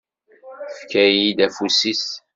Tefka-yi-d afus-is.